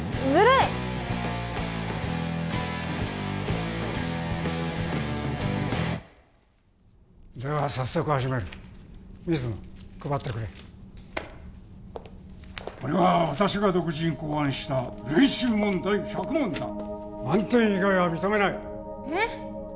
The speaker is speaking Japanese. いっでは早速始める水野配ってくれこれは私が独自に考案した練習問題１００問だ満点以外は認めないえっ！